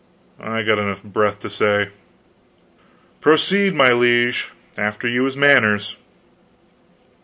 I got enough breath to say: "Proceed, my liege; after you is manners."